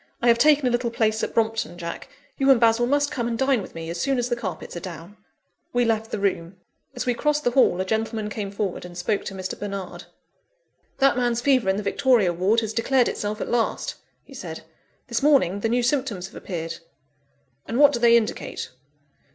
I have taken a little place at Brompton, Jack, you and Basil must come and dine with me, as soon as the carpets are down." We left the room. As we crossed the hall, a gentleman came forward, and spoke to Mr. Bernard. "That man's fever in the Victoria Ward has declared itself at last," he said. "This morning the new symptoms have appeared." "And what do they indicate?"